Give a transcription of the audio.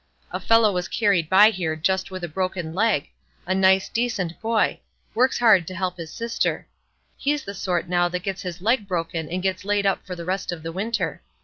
A fellow was carried by here just with a broken leg, a nice, decent boy; works hard to help his sister. He's the sort now that gets his leg broken and gets laid up for the rest of the winter.